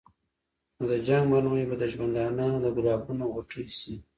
نو د جنګ مرمۍ به د ژوندانه د ګلابونو غوټۍ شي.